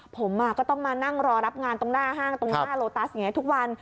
ผมก็ต้องมานั่งรอรับงานตรงหน้าห้างตรงหน้าโลตัสอย่างนี้ทุกวัน